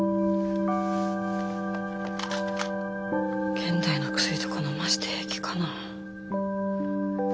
現代の薬とかのませて平気かな。